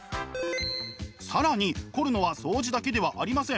更に凝るのはそうじだけではありません。